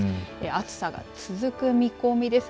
暑さが続く見込みです。